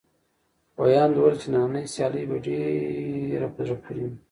ویاند وویل چې نننۍ سیالي به ډېره په زړه پورې وي.